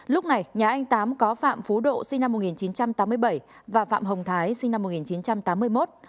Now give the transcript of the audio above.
lúc này nhà anh tám có phạm phú độ sinh năm một nghìn chín trăm tám mươi bảy và phạm hồng thái sinh năm một nghìn chín trăm tám mươi một